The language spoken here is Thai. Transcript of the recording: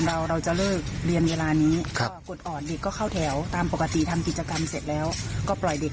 อ่อนเด็กก็เข้าแถวตามปกติทำกิจกรรมเสร็จแล้วก็ปล่อยเด็ก